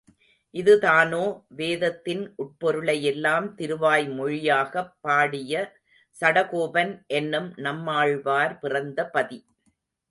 இதுதானோ வேதத்தின் உட்பொருளையெல்லாம் திருவாய் மொழியாகப் பாடிய சடகோபன் என்னும் நம்மாழ்வார் பிறந்த பதி.